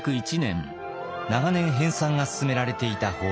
長年編さんが進められていた法典